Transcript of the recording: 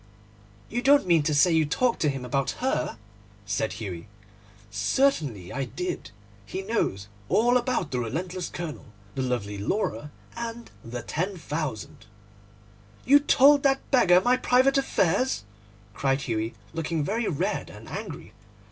'You don't mean to say you talked to him about her?' said Hughie. 'Certainly I did. He knows all about the relentless colonel, the lovely Laura, and the £10,000.' 'You told that old beggar all my private affairs?' cried Hughie, looking very red and angry.